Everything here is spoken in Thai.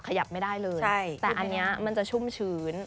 ขยับไม่ได้เลยแต่อันนี้มันจะชุ่มชื้น